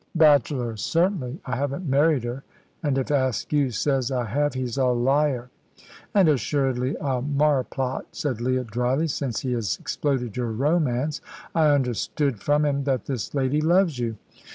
"Bachelor, certainly. I haven't married her, and if Askew says I have, he's a liar." "And assuredly a marplot," said Leah, dryly, "since he has exploded your romance. I understood from him that this lady loves you."